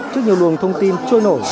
trước nhiều lường thông tin trôi nổi